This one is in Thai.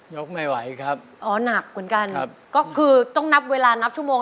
กไม่ไหวครับอ๋อหนักเหมือนกันครับก็คือต้องนับเวลานับชั่วโมง